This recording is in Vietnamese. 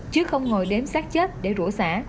chứ không ngồi đếm xác chết để rũa xả